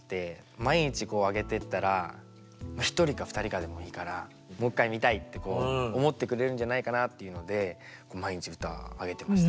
毎日あげてったら１人か２人かでもいいからもう１回見たいって思ってくれるんじゃないかなっていうので毎日歌あげてました。